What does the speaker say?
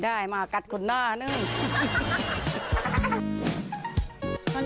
ไปตากแดด